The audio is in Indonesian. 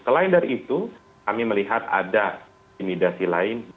selain dari itu kami melihat ada intimidasi lain